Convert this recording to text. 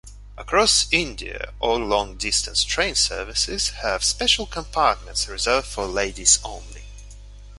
Across India, all long distance train services have special compartments reserved for ladies only.